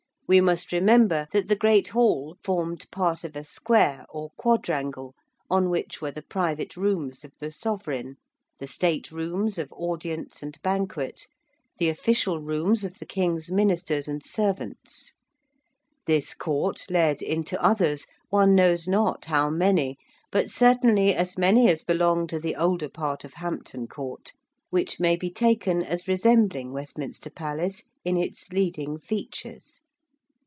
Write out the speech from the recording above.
We must remember that the great Hall formed part of a square or quadrangle on which were the private rooms of the Sovereign, the State rooms of audience and banquet, the official rooms of the King's ministers and servants; this court led into others one knows not how many but certainly as many as belong to the older part of Hampton Court, which may be taken as resembling Westminster Palace in its leading features.